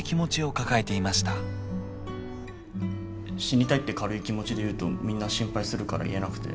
死にたいって軽い気持ちで言うとみんな心配するから言えなくて。